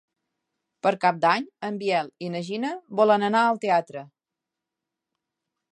Per Cap d'Any en Biel i na Gina volen anar al teatre.